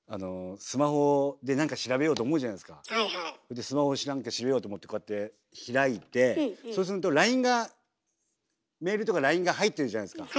でスマホ何か調べようと思ってこうやって開いてそうするとＬＩＮＥがメールとかＬＩＮＥが入ってるじゃないですか。